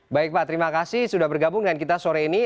baik pak terima kasih sudah bergabung dengan kita sore ini